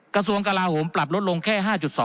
กระทรวงกลาโหมปรับลดลงแค่๕๒